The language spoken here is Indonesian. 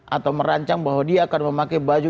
atau merancang bahwa dia akan memakai baju